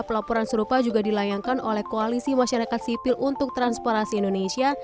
pelaporan serupa juga dilayangkan oleh koalisi masyarakat sipil untuk transparansi indonesia